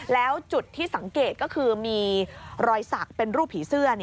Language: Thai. แล้วจุดที่สังเกตก็คือมีรอยสักเป็นรูปผีเสื้อ